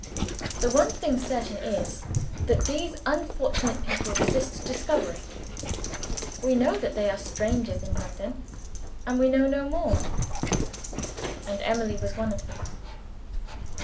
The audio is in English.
The one thing certain is, that these unfortunate people resist discovery. We know that they are strangers in London and we know no more. And Emily was one of them.